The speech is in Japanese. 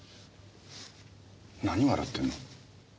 何笑ってるの？